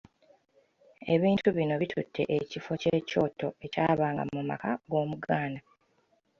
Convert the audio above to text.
Ebintu bino bitutte ekifo ky’ekyoto ekyabanga mu maka g’Omuganda.